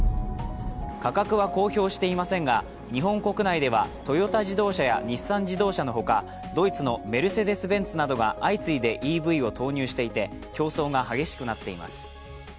価格は公表していませんが、日本国内ではトヨタ自動車や日産自動車のほかドイツのメルセデス・ベンツなどが相次いでＥＶを投入していて競争が激しくなっています。